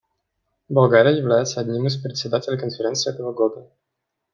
Болгария является одним из Председателей Конференции этого года.